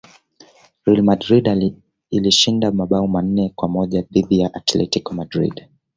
real madrid ilishinda mabao manne kwa moja dhidi ya atletico madrid